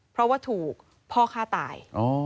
เพราะว่าถูกพ่อฆ่าตาย